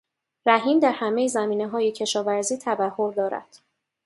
رحیم در همهی زمینههای کشاورزی تبحر دارد.